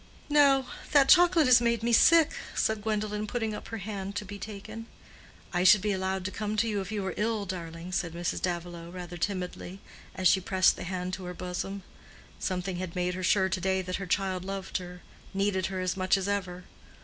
"No; that chocolate has made me sick," said Gwendolen, putting up her hand to be taken. "I should be allowed to come to you if you were ill, darling," said Mrs. Davilow, rather timidly, as she pressed the hand to her bosom. Something had made her sure to day that her child loved her—needed her as much as ever.